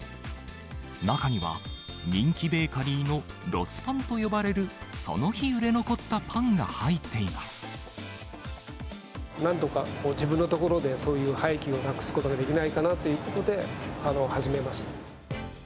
中には、人気ベーカリーのロスパンと呼ばれる、その日、なんとか自分の所で、そういう廃棄をなくすことができないかなということで、始めました。